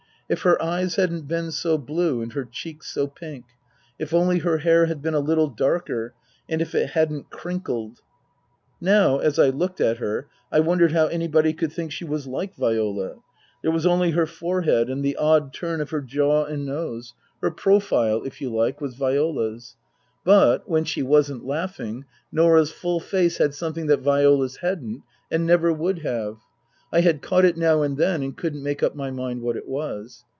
If her eyes hadn't been so blue and her cheeks so pink ; if only her hair had been a little darker and if it hadn't crinkled Now, as I looked at her, I wondered how anybody could think she was like Viola. There was only her forehead and the odd turn of her jaw and nose her Book II : Her Book 153 profile, if you like, was Viola s but (when she wasn't laughing) Norah's full face had something that Viola's hadn't and never would have. I had caught it now and then and couldn't make up my mind what it was.